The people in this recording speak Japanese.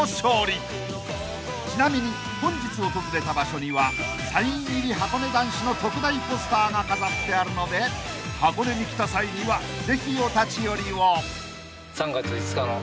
［ちなみに本日訪れた場所にはサイン入りはこね男子の特大ポスターが飾ってあるので箱根に来た際にはぜひお立ち寄りを］